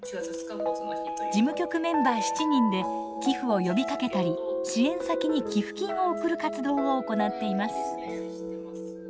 事務局メンバー７人で寄付を呼びかけたり支援先に寄付金を送る活動を行っています。